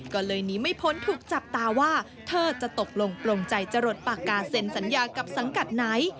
ก็เลยหนีไม่พ้นถูกจับตาว่าเธอจะตกลงปลงใจจะหลดปากกาเซ็นสัญญากับสังกัดไหน